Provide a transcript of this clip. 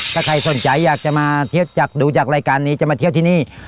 ถ้าใครสนใจอยากจะมาดูจากรายการนี้จะมาเที่ยวที่นี่